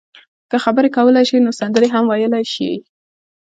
که خبرې کولای شئ نو سندرې هم ویلای شئ.